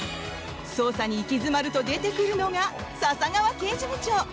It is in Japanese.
捜査に行き詰まると出てくるのが笹川刑事部長。